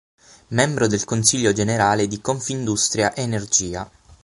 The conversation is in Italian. Membro del Consiglio Generale di Confindustria Energia.